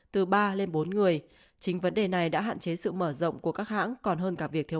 từ ba lên bốn người chính vấn đề này đã hạn chế sự mở rộng của các hãng còn hơn cả việc thiếu